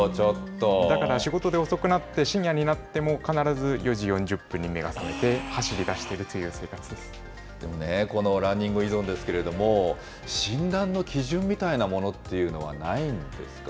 だから仕事で遅くなって、深夜になっても、必ず４時４０分に目が覚めて、走りだしてるというこのランニング依存ですけれども、診断の基準みたいなものっていうのはないんですか。